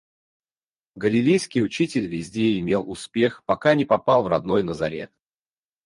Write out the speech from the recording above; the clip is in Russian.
Галилейский учитель везде имел успех, пока не попал в родной Назарет.